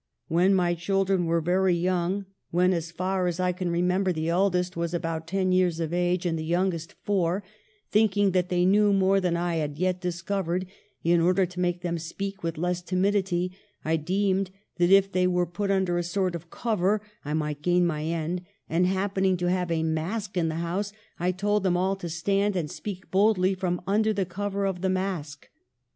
When my chil dren were very young, when, as far as I can 3 34 EMILY BRONTE. remember, the eldest was about ten years of age and the youngest four, thinking that they knew more than I had yet discovered, in order to make them speak with less timidity, I deemed that if they were put under a sort of cover I might gain my end ; and happening to have a mask in the house I told them all to stand and speak boldly from under cover of the mask.